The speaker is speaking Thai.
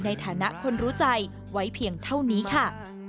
ในฐานะคนรู้ใจไว้เพียงเท่านี้ค่ะ